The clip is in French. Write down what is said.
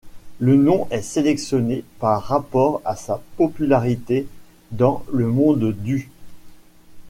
Le nom est sélectionné par rapport à sa popularité dans le monde du '.